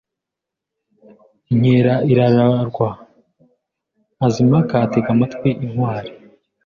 inkera irararwa, Mazimpaka atega amatwi intwari